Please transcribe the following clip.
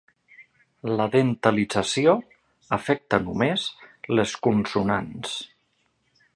La dentalització afecta només les consonants.